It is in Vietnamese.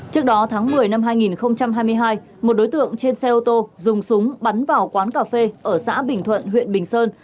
trước đó tháng một mươi năm hai nghìn hai mươi hai một đối tượng trên xe ô tô dùng súng bắn vào quán cà phê ở xã bình thuận huyện bình sơn